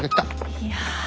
いや。